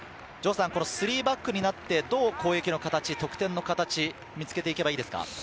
３バックになってどう攻撃の形、得点の形、見つけていけばいいですか。